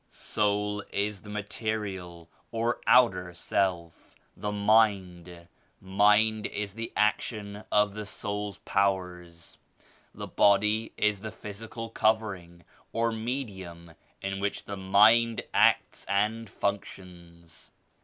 Soul is the material or outer self — the Mind. Mind is the action of the SouPs powers. The Body is the physical covering or medium in which Mind acts and functions.